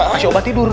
kasih obat tidur